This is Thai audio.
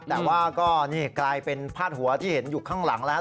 แต่ว่าก็นี่กลายเป็นพาดหัวที่เห็นอยู่ข้างหลังแล้ว